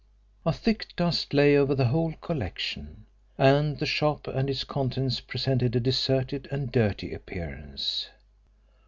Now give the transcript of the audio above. A thick dust lay over the whole collection, and the shop and its contents presented a deserted and dirty appearance.